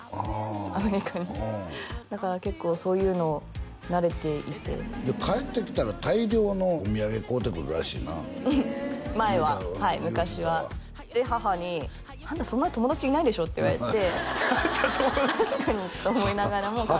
アメリカにだから結構そういうの慣れていて帰ってきたら大量のお土産買うてくるらしいな前ははい昔はで母に「あんたそんなに友達いないでしょ」って言われて確かにと思いながらも買っちゃうんですよ